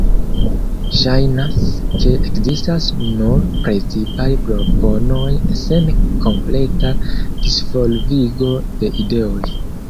Ŝajnas ke ekzistas nur precipaj proponoj sen kompleta disvolvigo de ideoj.